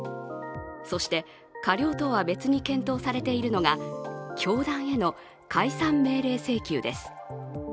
そして過料とは別に検討されているのが教団への解散命令請求です。